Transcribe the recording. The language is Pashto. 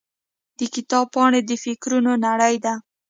د کتاب پاڼې د فکرونو نړۍ ده.